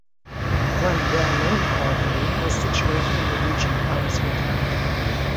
One well known carvery was situated in the Regent Palace Hotel.